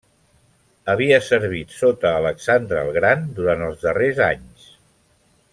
Havia servit sota Alexandre el Gran durant els darrers anys.